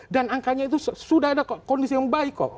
dan angkanya itu sudah ada kondisi yang baik kok